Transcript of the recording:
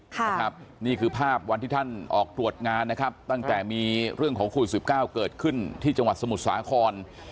นี่คือภาพวันที่ท่านออกตรวจงานนะครับตั้งแต่มีเรื่องของโควิด๑๙เกิดขึ้นที่จังหวัดสมุทรสาคร